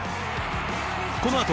このあと、